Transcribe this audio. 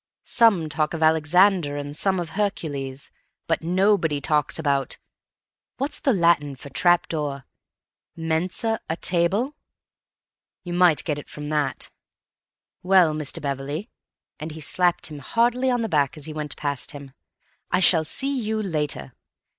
"Some talk of Alexander and some of Hercules, but nobody talks about—what's the Latin for trap door?—Mensa—a table; you might get it from that. Well, Mr. Beverley,"—and he slapped him heartily on the back as he went past him—"I shall see you later.